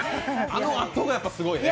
あのあとがすごいね。